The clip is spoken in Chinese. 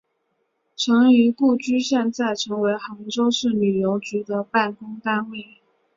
陈仪故居现在成为杭州市旅游局的办公单位。